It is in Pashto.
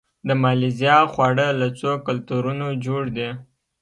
د مالیزیا خواړه له څو کلتورونو جوړ دي.